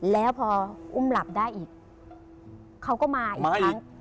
แล้วพออุ้มหลับได้อีกเขาก็มาอีกครั้ง